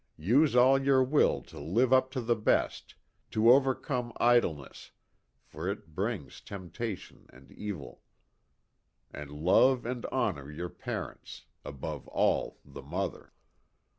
Use all your will to live up to the best to overcome idleness, for it brings temptation and evil. And love and honor your parents above all the mother.